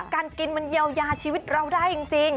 การกินมันเยียวยาชีวิตเราได้จริง